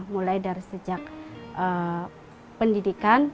mulai dari sejak pendidikan